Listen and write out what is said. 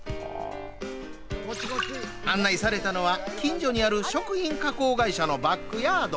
案内されたのは近所にある食品加工会社のバックヤード。